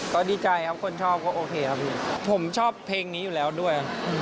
ก็ดีใจครับคนชอบก็โอเคครับพี่ผมชอบเพลงนี้อยู่แล้วด้วย